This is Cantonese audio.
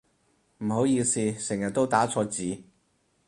唔好意思成日都打錯字